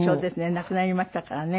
亡くなりましたからね向田さん。